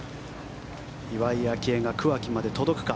岩井明愛が桑木まで届くか。